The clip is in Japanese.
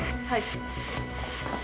はい。